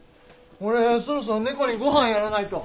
俺そろそろ猫にごはんやらないと。